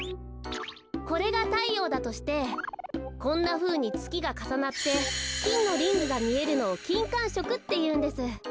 これがたいようだとしてこんなふうにつきがかさなってきんのリングがみえるのをきんかんしょくっていうんです。